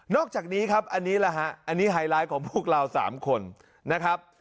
อกจากนี้ครับอันนี้แหละฮะอันนี้ไฮไลท์ของพวกเรา๓คนนะครับ